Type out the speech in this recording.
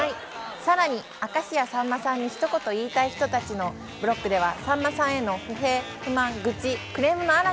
さらに明石家さんまさんにひと言、言いたい人たちのブロックではさんまさんへの不平・不満、グチ、クレームの嵐。